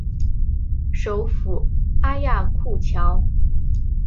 首府阿亚库乔。